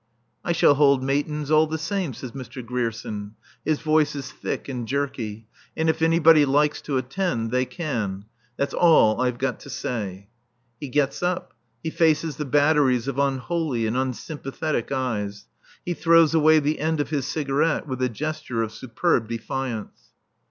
"I shall hold Matins all the same," says Mr. Grierson. His voice is thick and jerky. "And if anybody likes to attend, they can. That's all I've got to say." He gets up. He faces the batteries of unholy and unsympathetic eyes. He throws away the end of his cigarette with a gesture of superb defiance.